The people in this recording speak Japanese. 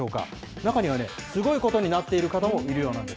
中には、すごいことになっている方もいるようなんです。